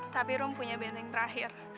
tapi rom punya benteng terakhir